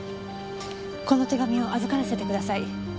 この手紙を預からせてください。